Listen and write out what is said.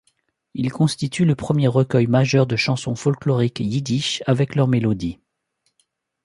Il constitue le premier recueil majeur de chansons folklorique yiddish avec leur mélodie.